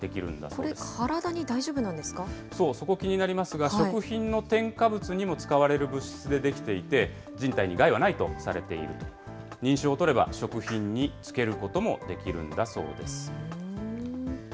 そう、そこ気になりますが、食品の添加物にも使われる物質で出来ていて、人体に害はないとされている、認証を取れば、食品につけることもできるんだそうです。